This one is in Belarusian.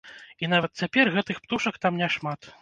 І нават цяпер гэтых птушак там няшмат.